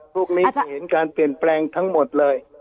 พวกนี้จะเห็นการเปลี่ยนแปลงทั้งหมดเลย